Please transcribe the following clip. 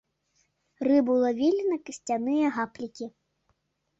Рыбу лавілі на касцяныя гаплікі.